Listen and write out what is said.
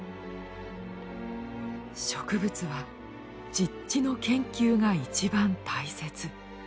「植物は実地の研究が一番大切」。